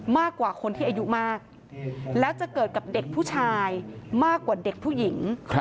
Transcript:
มากกว่าคนที่อายุมากแล้วจะเกิดกับเด็กผู้ชายมากกว่าเด็กผู้หญิง